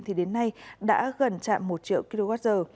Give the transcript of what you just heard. thì đến nay đã gần chạm một triệu kwh